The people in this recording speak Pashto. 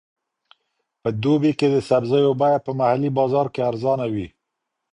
په دوبي کې د سبزیو بیه په محلي بازار کې ارزانه وي.